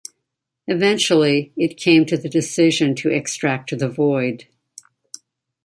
Eventually it came to the decision to extract the Void.